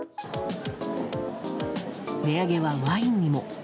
値上げは、ワインにも。